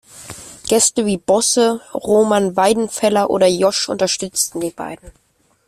Gäste wie Bosse, Roman Weidenfeller oder Josh unterstützten die beiden.